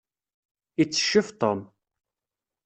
Itteccef Tom.